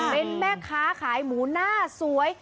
เป็นแม่ค้าขายหมูหน้าสวย